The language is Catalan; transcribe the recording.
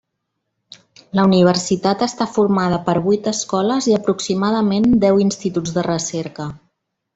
La universitat està formada per vuit escoles i aproximadament deu instituts de recerca.